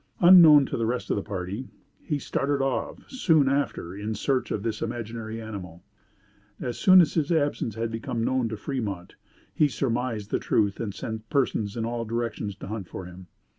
Unknown to the rest of the party he started off soon after in search of his imaginary animal. As soon as his absence became known to Fremont, he surmised the truth and sent persons in all directions to hunt for him.